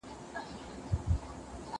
پر ټگانو چى يې جوړ طلا باران كړ